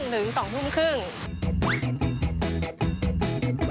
๕๓๐ถึง๒นาที